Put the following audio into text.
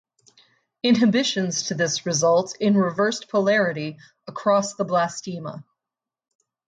Inhibitions to this result in reversed polarity across the blastema.